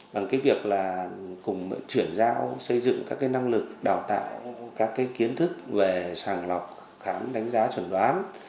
bằng cái việc là cùng chuyển giao xây dựng các cái năng lực đào tạo các cái kiến thức về sàng lọc khám đánh giá chuẩn đoán